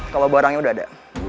kalau barangnya udah ada